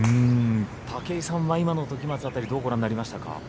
武井さんは今の時松の当たりどうご覧になりましたか？